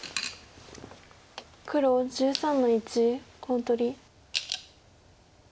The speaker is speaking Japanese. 黒１３の一コウ取り。